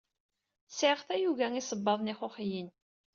Sɛiɣ tayuga isebbaḍen ixuxiyen.